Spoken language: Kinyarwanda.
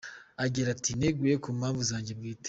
Agira ati “Neguye ku mpamvu zanje bwite.